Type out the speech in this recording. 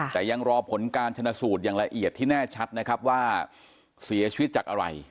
แต่ยังรอผลการชนะสูตรอย่างละเอียดที่แน่ชัดนะครับว่าเสียชีวิตจากอะไร